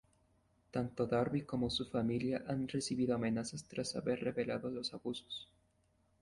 Tanto Darby como su familia han recibido amenazas tras haber revelado los abusos.